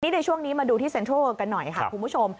ในช่วงนี้มาดูที่เซ็นทรัลกันหน่อยค่ะคุณผู้ชม